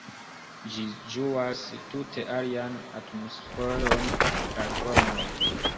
Ĝi ĝuas tute alian atmosferon kaj formon.